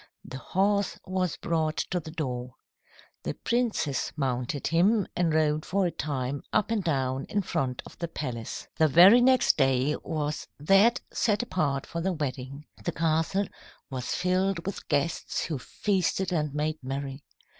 The horse was brought to the door. The princess mounted him and rode for a time up and down in front of the palace. "The very next day was that set apart for the wedding. The castle was filled with guests who feasted and made merry.